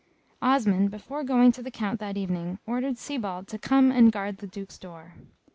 Osmond, before going to the Count that evening, ordered Sybald to come and guard the Duke's door.